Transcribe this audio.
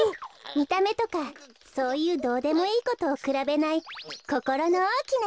みためとかそういうどうでもいいことをくらべないこころのおおきなひとがすき。